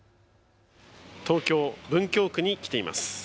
東京・文京区に来ています。